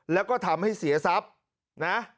แล้วก็ทำให้เสียทรัพย์นะ